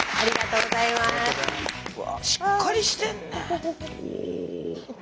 うわしっかりしてんね。